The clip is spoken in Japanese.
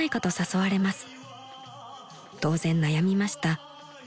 ［当然悩みました。